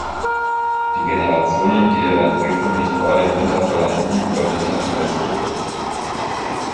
Die Generationen, die ihre Entwicklung nicht vor dem Winter vollenden überwintern als Puppe.